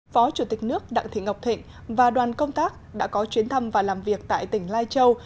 phó chủ tịch nước đặng thị ngọc thịnh và đoàn công tác đã có chuyến thăm và làm việc tại tỉnh lai châu